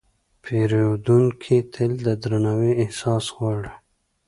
پیرودونکی تل د درناوي احساس غواړي.